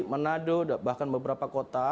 manado bahkan beberapa kota